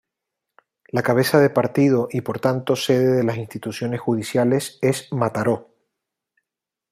La cabeza de partido y por tanto sede de las instituciones judiciales es Mataró.